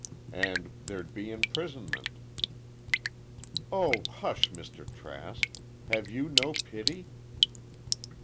And there'd be imprisonment—" "Oh, hush! Mr. Trask, have you no pity?"